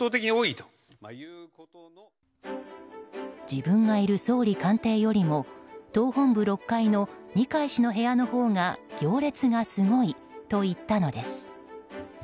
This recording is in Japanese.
自分がいる総理官邸よりも党本部６階の二階氏の部屋のほうが行列がすごいと言ったのです。